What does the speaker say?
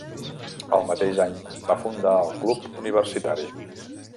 El mateix any va fundar el Club Universitari.